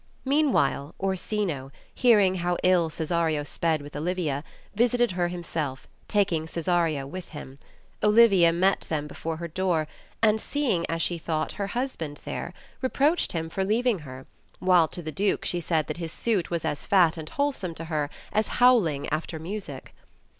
Meanwhile Orsino, hearing how ill Cesario sped with Olivia, visited her himself, taking Cesario with him. Olivia met them before her door, and seeing, as she thought, her husband there, reproached 64 THB CHILDREN'S SHAKESPEARE. him for leaving her, while to the Duke she said that his suit was as fat and wholesome to her as howling after music.